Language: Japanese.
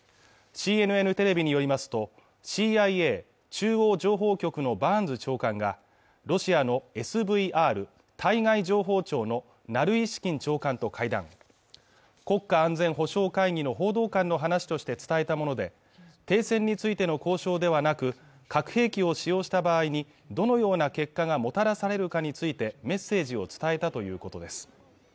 ＣＮＮテレビによりますとＣＩＡ＝中央情報局のバーンズ長官がロシアのＳＶＲ＝対外情報庁のナルイシキン長官と会談国家安全保障会議の報道官の話として伝えたもので停戦についての交渉ではなく核兵器を使用した場合にどのような結果がもたらされるかについてメッセージを伝えたということです